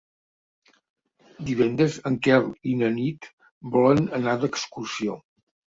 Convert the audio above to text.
Divendres en Quel i na Nit volen anar d'excursió.